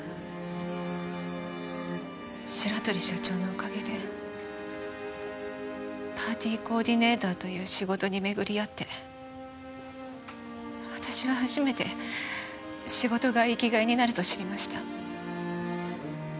白鳥社長のおかげでパーティーコーディネーターという仕事に巡り合って私は初めて仕事が生き甲斐になると知りました。